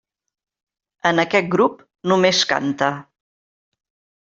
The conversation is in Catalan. En aquest grup només canta.